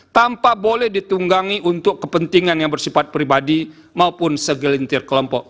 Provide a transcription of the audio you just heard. tanpa boleh ditunggangi untuk kepentingan yang bersifat pribadi maupun segelintir kelompok